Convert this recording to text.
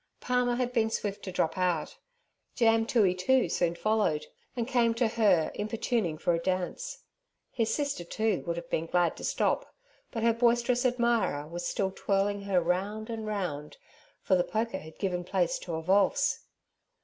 Palmer had been swift to drop out, Jam Toohey, too, soon followed, and came to her importuning for a dance. His sister, too, would have been glad to stop, but her boisterous admirer was still twirling her round and round, for the polka had given place to a valse.